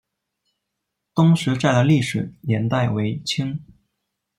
东石寨的历史年代为清。